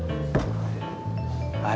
あれ？